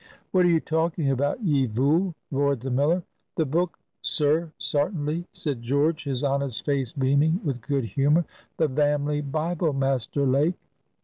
"What are you talking about, ye vool?" roared the miller. "The book, sir, sartinly," said George, his honest face beaming with good humor. "The Vamly Bible, Master Lake."